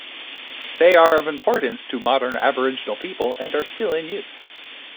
They are of importance to modern Aboriginal people and are still in use.